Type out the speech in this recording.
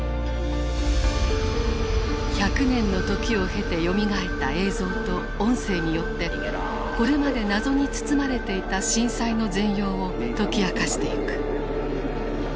１００年の時を経てよみがえった映像と音声によってこれまで謎に包まれていた震災の全容を解き明かしていく。